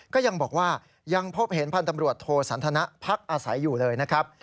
ก็ยังบอกว่ายังพบเห็นพันธ์ตำรวจโทสันทนะพักอาศัยอยู่เลยนะครับ